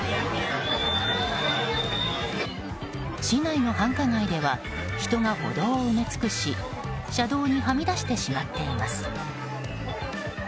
市内の繁華街では人が歩道を埋め尽くし車道にはみ出してしまっています。